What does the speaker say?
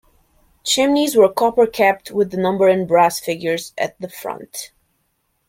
Chimneys were copper capped with the number in brass figures at the front.